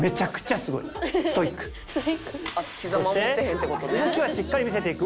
そして動きはしっかり見せていく。